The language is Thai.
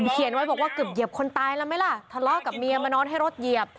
เขียนไว้บอกว่าเกือบเหยียบคนตายแล้วไหมล่ะทะเลาะกับเมียมานอนให้รถเหยียบ